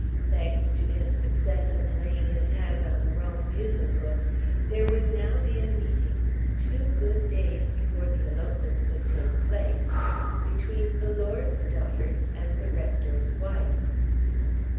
Thanks to his success in laying his hand on the wrong music book, there would now be a meeting two good days before the elopement could take place between the lord's daughters and the rector's wife!